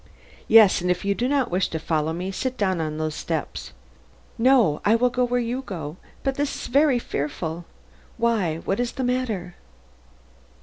"Yes; and if you do not wish to follow me, sit down on these steps " "No, I will go where you go; but this is very fearful. Why, what is the matter?"